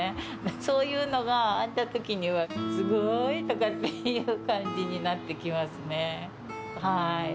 そういうのがあったときには、すごーいとかっていう感じになってきますね。